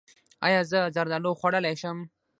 ایا زه زردالو خوړلی شم؟